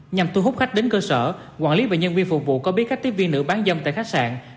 nhằm thu hút khách đến cơ sở quản lý và nhân viên phục vụ có biết các tiếp viên nữ bán dâm tại khách sạn